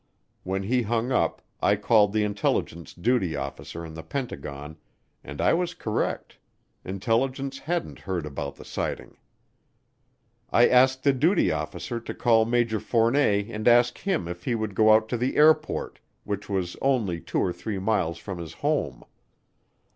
When he hung up, I called the intelligence duty officer in the Pentagon and I was correct, intelligence hadn't heard about the sighting. I asked the duty officer to call Major Fournet and ask him if he would go out to the airport, which was only two or three miles from his home.